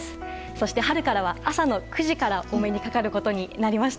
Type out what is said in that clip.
そして、春からは朝の９時からお目にかかることになりました。